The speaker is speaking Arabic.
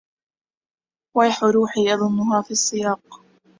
ويح روحي أظنها في السياق